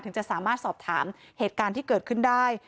จะสามารถสอบถามเหตุการณ์ที่เกิดขึ้นได้